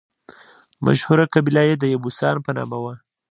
مشهوره قبیله یې د یبوسان په نامه وه.